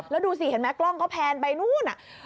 แล้วดูสิเห็นไหมกล้องก็แพนไปนู่น